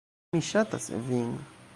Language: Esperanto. Mi ŝatas vin.